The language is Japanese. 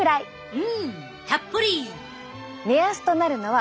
うんたっぷり！